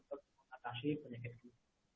untuk mengatasi penyakit ini